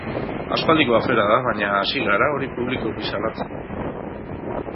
Aspaldiko afera da, baina hasi gara hori publikoki salatzen.